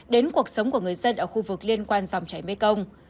đến cuộc sống của người dân ở khu vực liên quan dòng chảy mekong